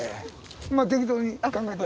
ま適当に考えて。